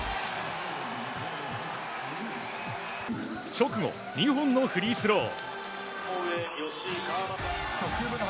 直後、２本のフリースロー。